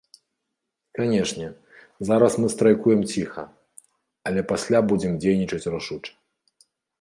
Канешне, зараз мы страйкуем ціха, але пасля будзем дзейнічаць рашуча.